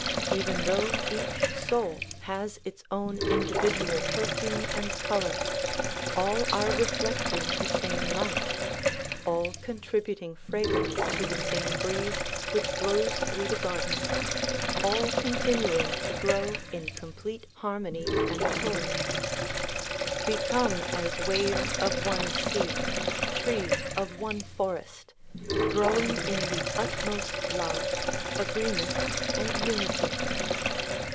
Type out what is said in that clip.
Even though each soul has its own individual perfume and color, all are reflecting the same light, all contributing fragrance to the same breeze which blows through the garden, all continuing to grow in complete harmony and accord. Become as waves of one sea, trees of one forest, growing in the utmost love, agreement and unity.